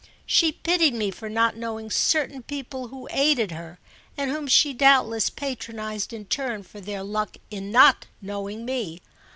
She pitied me for not knowing certain people who aided her and whom she doubtless patronised in turn for their luck in not knowing me.